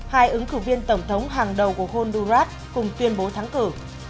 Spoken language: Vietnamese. hai ứng cử viên tổng thống hàng đầu của honduras cùng tuyên bố thắng cử